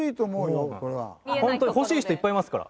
ホントに欲しい人いっぱいいますから。